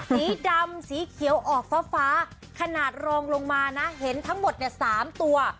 สีดำสีเขียวออกฟ้าขนาดรองลงมานะเห็นทั้งหมดเนี่ย๓ตัว